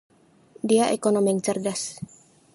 Dia ekonom yang cerdas.